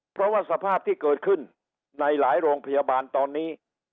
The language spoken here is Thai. เพราะว่าสภาพที่เกิดขึ้นในหลายโรงพยาบาลตอนนี้